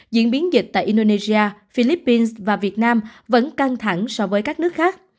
diễn biến dịch tại indonesia philippines và việt nam vẫn căng thẳng so với các nước khác